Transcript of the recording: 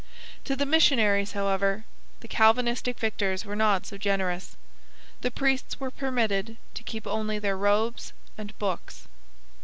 To the missionaries, however, the Calvinistic victors were not so generous. The priests were permitted to keep only their robes and books.